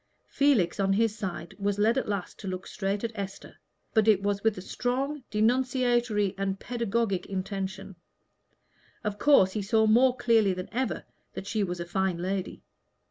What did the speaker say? Felix on his side, was led at last to look straight at Esther, but it was with a strong denunciatory and pedagogic intention. Of course he saw more clearly than ever that she was a fine lady.